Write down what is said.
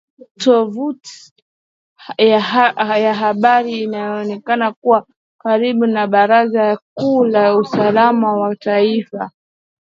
Tovuti ya habari inayoonekana kuwa karibu na baraza kuu la usalama wa taifa , iliripoti kuwa serikali imesitisha kwa upande mmoja mazungumzo